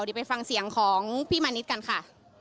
เดี๋ยวไปฟังเสียงของพี่มานิดกันค่ะ